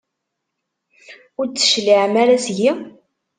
Ur d-tecliɛem ara seg-i?